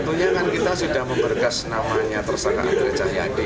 ya tentunya kan kita sudah memberkes namanya tersangka andreas cahyadi